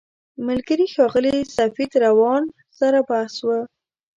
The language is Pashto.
ملګري ښاغلي سفید روان سره بحث و.